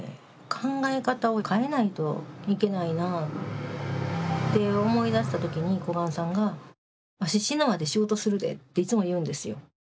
考え方を変えないといけないなって思いだした時に小雁さんが「わし死ぬまで仕事するで」っていつも言うんですよ。